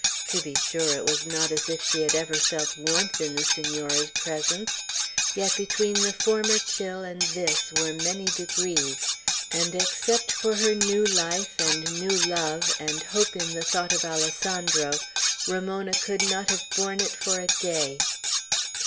To be sure, it was not as if she had ever felt warmth in the Senora's presence; yet between the former chill and this were many degrees, and except for her new life, and new love, and hope in the thought of Alessandro, Ramona could not have borne it for a day.